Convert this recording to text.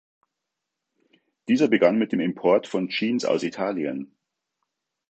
Dieser begann mit dem Import von Jeans aus Italien.